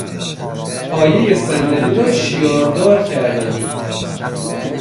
پایهی صندلی را شیاردار کردن